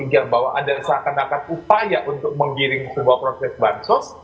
sehingga bahwa ada seakan akan upaya untuk menggiring sebuah proses bansos